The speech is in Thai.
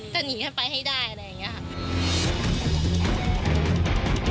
จะหนีขึ้นไปให้ได้อะไรอย่างนี้ครับ